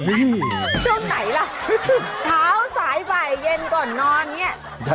เอา